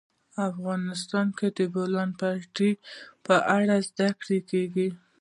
افغانستان کې د د بولان پټي په اړه زده کړه کېږي.